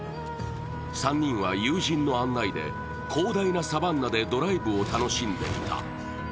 ３人は友人の案内で、広大なサバンナでドライブを楽しんでいた。